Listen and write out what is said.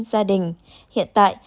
gia đình hiện tại